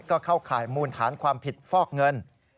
ก็เข้าข่ายมูลฐานความผิดฟอกเงิน